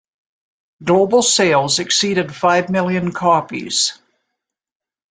Global sales exceeded five million copies.